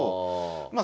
まあ